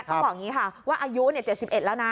ต้องบอกอย่างนี้ค่ะว่าอายุ๗๑แล้วนะ